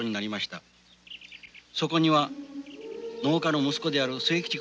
そこには農家の息子であるせいきち